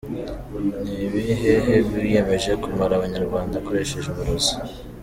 Ni bihehe wiyemeje kumara abanyarwanda akoreresheje uburozi.